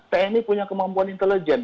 tni punya kemampuan intelijen